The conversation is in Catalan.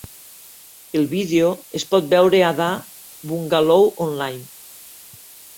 El vídeo es pot veure a "Da Bungalow Online".